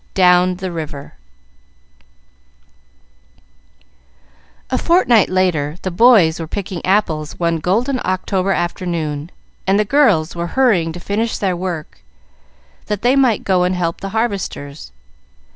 Down the River A fortnight later, the boys were picking apples one golden October afternoon, and the girls were hurrying to finish their work, that they might go and help the harvesters.